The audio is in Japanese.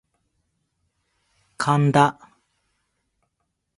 神田